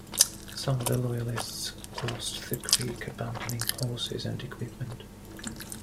Some of the Loyalists crossed the creek, abandoning horses and equipment.